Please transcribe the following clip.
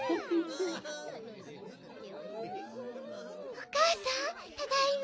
おかあさんただいま。